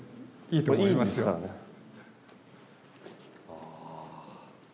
ああ。